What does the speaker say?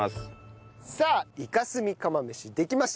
さあイカスミ釜飯できました。